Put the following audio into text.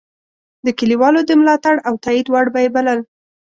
د کلیوالو د ملاتړ او تایید وړ به یې بلل.